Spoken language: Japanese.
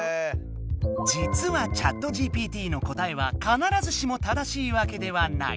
じつはＣｈａｔＧＰＴの答えはかならずしも正しいわけではない。